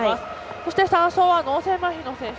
そして３走は脳性まひの選手。